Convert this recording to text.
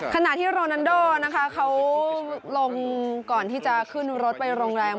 ขณะที่โรนันโดนะคะเขาลงก่อนที่จะขึ้นรถไปโรงแรม